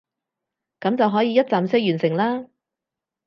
噉就可以一站式完成啦